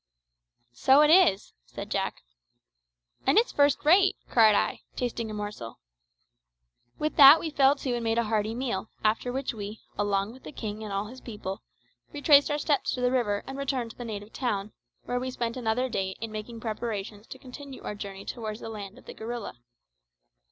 "So it is," said Jack. "And it's first rate," cried I, tasting a morsel. With that we fell to and made a hearty meal, after which we, along with the king and all his people, retraced our steps to the river and returned to the native town, where we spent another day in making preparations to continue our journey towards the land of the gorilla.